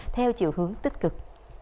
theo chiều hướng tích cực